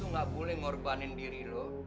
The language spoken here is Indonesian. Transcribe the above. lo tuh gak boleh ngorbanin diri lo